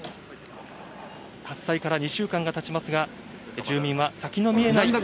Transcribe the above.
発災から２週間がたちますが、住民は先の見えない。